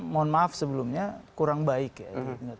mohon maaf sebelumnya kurang baik ya